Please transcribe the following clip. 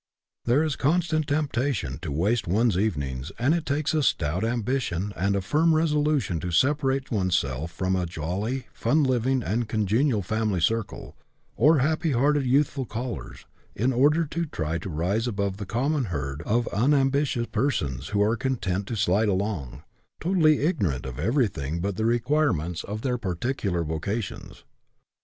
There is constant temptation to waste one's evenings and it takes a stout ambition and a firm resolution to separate oneself from a jolly, fun loving, and congenial family circle, or happy hearted youthful callers, in order to try to rise above the common herd of unam bitious persons who are content to slide along, totally ignorant of everything but the require ments of their particular vocations.